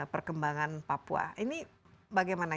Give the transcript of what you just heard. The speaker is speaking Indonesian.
perkembangan papua ini bagaimana